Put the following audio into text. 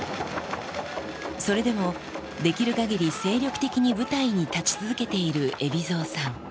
それでもできるかぎり、精力的に舞台に立ち続けている海老蔵さん。